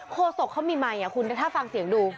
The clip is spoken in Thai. โศกเขามีไมค์คุณถ้าฟังเสียงดู